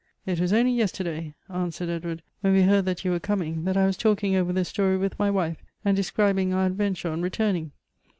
" It was only yesterday," answered Edward, " when we heard that j'ou were coming, that I was talking over the story with my wife, and describing our adventure on re turning.